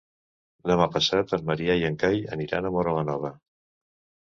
Demà passat en Maria i en Cai aniran a Móra la Nova.